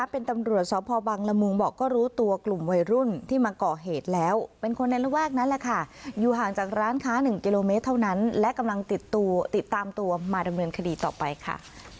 เป็นตำรวจสพบังละมุงบอกก็รู้ตัวกลุ่มวัยรุ่นที่มาก่อเหตุแล้วเป็นคนในระแวกนั้นแหละค่ะอยู่ห่างจากร้านค้า๑กิโลเมตรเท่านั้นและกำลังติดตัวติดตามตัวมาดำเนินคดีต่อไปค่ะ